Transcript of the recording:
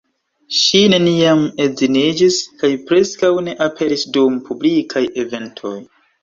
Ŝi neniam edziniĝis kaj preskaŭ ne aperis dum publikaj eventoj.